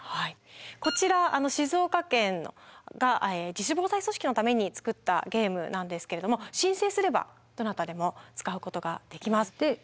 こちら静岡県が自主防災組織のために作ったゲームなんですけれども申請すればどなたでも使うことができます。